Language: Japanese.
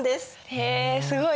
へえすごいね。